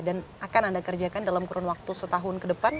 dan akan anda kerjakan dalam kurun waktu setahun ke depan